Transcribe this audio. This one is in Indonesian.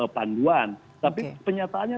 panduan tapi penyataannya